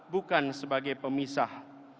bukan sebagai pemisah